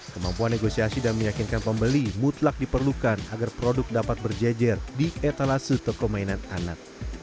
kemampuan negosiasi dan meyakinkan pembeli mutlak diperlukan agar produk dapat berjejer di etalase toko mainan anak